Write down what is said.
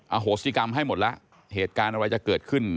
โหสิกรรมให้หมดแล้วเหตุการณ์อะไรจะเกิดขึ้น